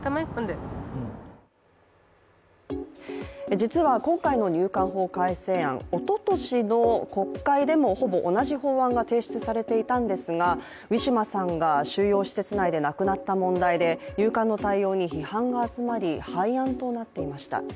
実は今回の入管法改正案、おととしの国会でもほぼ同じ法案が提出されていたんですがウィシュマさんが収容施設内で亡くなった問題で入管の対応に批判が集まり廃案となっていました。